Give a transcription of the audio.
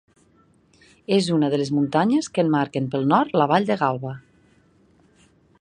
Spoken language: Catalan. És una de les muntanyes que emmarquen pel nord la vall de Galba.